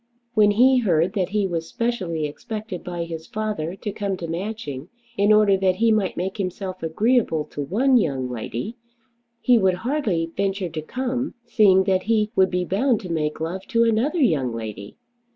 When he heard that he was specially expected by his father to come to Matching in order that he might make himself agreeable to one young lady, he would hardly venture to come, seeing that he would be bound to make love to another young lady!